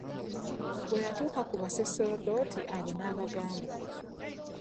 Bwe yatuuka ku Baseserdoti abo n'abagamba.